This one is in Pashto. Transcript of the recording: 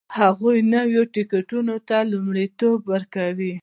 هغوی نویو تکتیکونو ته لومړیتوب ورکوي